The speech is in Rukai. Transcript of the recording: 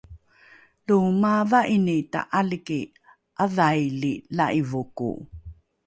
lo maava’ini ta’aliki ’adhaili la’ivoko